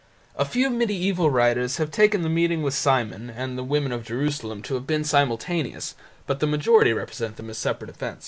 A few medieval writers take the meeting with Simon and the women of Jerusalem to have been simultaneous, but the majority represent them as separate events.